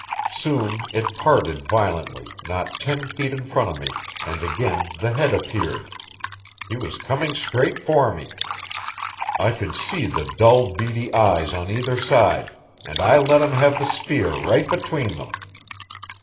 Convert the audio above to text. Soon it parted violently not ten feet in front of me, and again the head appeared; he was coming straight for me. I could see the dull beady eyes on either side, and I let him have the spear right between them.